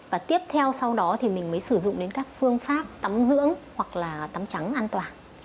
và tiếp theo sau đó thì mình mới sử dụng đến các phương pháp tắm dưỡng hoặc là tắm trắng an toàn